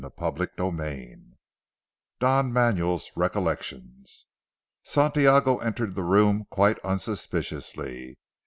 CHAPTER XIX DON MANUEL'S RECOLLECTIONS Santiago entered the room quite unsuspiciously.